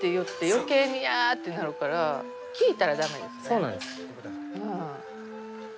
そうなんです。